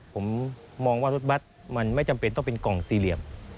ผมมองว่ารถบัตรมันไม่จำเป็นต้องเป็นกล่องสี่เหลี่ยม